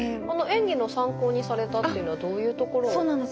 演技の参考にされたっていうのはどういうところを？